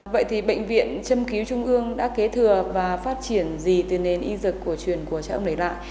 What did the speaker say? vậy thì bệnh viện châm cứu trung ương đã kế thừa và phát triển gì từ nền y dực của truyền của cha ông này lại